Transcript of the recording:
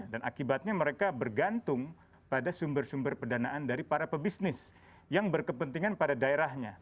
dan akibatnya mereka bergantung pada sumber sumber perdanaan dari para pebisnis yang berkepentingan pada daerahnya